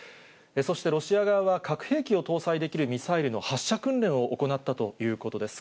そして、ロシア側は核兵器を搭載できるミサイルの発射訓練を行ったということです。